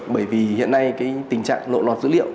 bởi vì hiện nay cái tình trạng lộ lọt dữ liệu